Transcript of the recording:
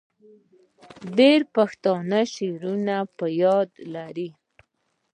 ډیری پښتانه شعرونه په یاد لري.